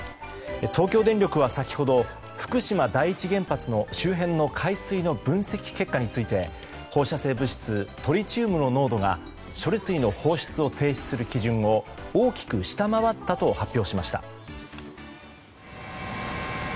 東京電力は先ほど福島第一原発の周辺の海水の分析結果について放射性物質トリチウムの濃度が処理水の放出を停止する基準を大きく下回ったと発表しました。